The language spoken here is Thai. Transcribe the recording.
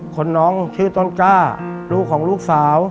คนน้องชื่อต้นกล้าลูกของลูกสาว